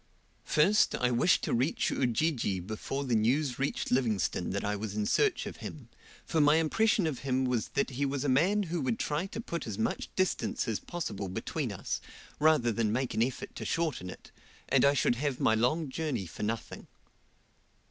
First, I wished to reach Ujiji before the news reached Livingstone that I was in search of him, for my impression of him was that he was a man who would try to put as much distance as possible between us, rather than make an effort to shorten it, and I should have my long journey for nothing.